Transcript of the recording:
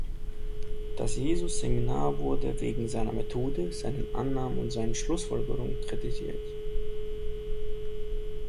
Das Jesus-Seminar wurde wegen seiner Methode, seinen Annahmen und seinen Schlussfolgerungen kritisiert.